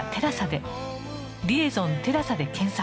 「リエゾンテラサ」で検索